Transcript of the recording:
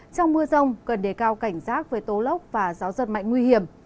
trong mưa rông cần đề cao cảnh giác với tố lốc và gió giật mạnh nguy hiểm